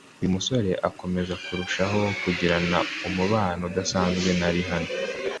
uyu musore akomeza kurushaho kugirana umubano udasanzwe na Rihanna